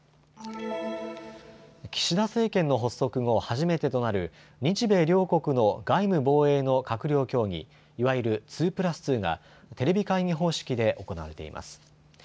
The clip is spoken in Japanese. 岸田政権の発足後、初めてとなる日米両国の外務・防衛の閣僚協議、いわゆる２プラス２がテレビ会議方式で行われています。